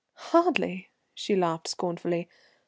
"Hardly!" she laughed scornfully.